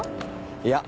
いや。